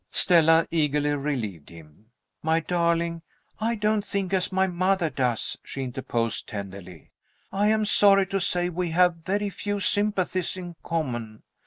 Stella eagerly relieved him. "My darling, I don't think as my mother does," she interposed, tenderly. "I am sorry to say we have very few sympathies in common.